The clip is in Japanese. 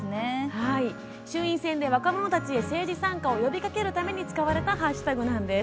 はい、衆院選で若者たちへ政治参加を呼びかけるために使われたハッシュタグなんです。